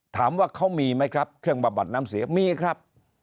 ถามว่าเขามีไหมครับเครื่องบำบัดน้ำเสียมีครับ